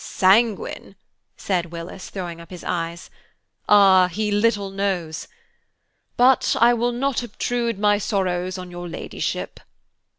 "Sanguine!" said Willis, throwing up his eyes, "ah, he little knows! But I will not obtrude my sorrows on your Ladyship."